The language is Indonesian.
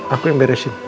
aku yang beresin